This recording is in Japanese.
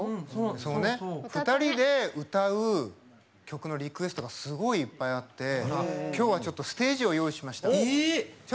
その２人で歌う曲のリクエストがすごいいっぱいあってきょうは、ちょっとステージを用意しました。